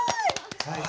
最高。